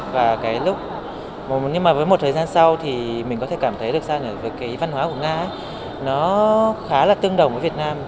và cái lúc nhưng mà với một thời gian sau thì mình có thể cảm thấy được xem là cái văn hóa của nga nó khá là tương đồng với việt nam